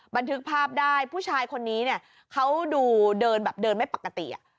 บันทึกภาพได้ผู้ชายคนนี้เนี่ยเขาดูเดินแบบเดินไม่ปกติ